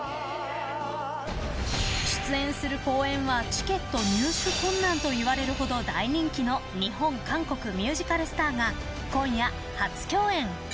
出演する公演はチケット入手困難といわれるほど大人気の日本、韓国ミュージカルスターが今夜、初共演。